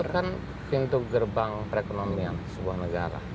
port itu kan pintu gerbang perekonomian sebuah negara